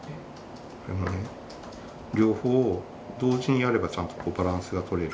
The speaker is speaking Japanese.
両方同時にやればちゃんとバランスがとれる。